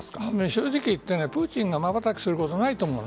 正直言ってプーチンがまばたきすることはないと思う。